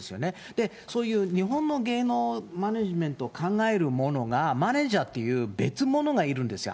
で、そういう日本の芸能マネージメントを考えるものが、マネジャーっていう別ものがいるんですよ。